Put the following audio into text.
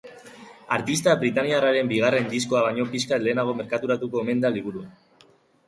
Artista britainiarraren bigarren diskoa baino pixkat lehenago merkaturatuko omen da liburua.